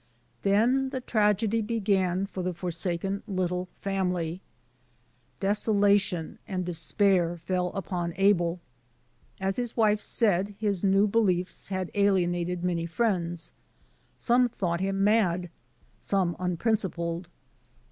Then the tragedy began for the forsaken little family. Desolation and despair fell upon Abel. As his wife said, his new beliefs had alienated many friends. Some thought him mad, some unprincipled.